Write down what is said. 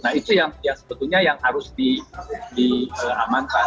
nah itu yang sebetulnya yang harus diamankan